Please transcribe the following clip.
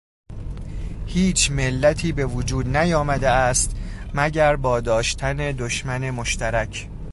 هیچ ملتی به وجود نیامده است مگر با داشتن دشمن مشترک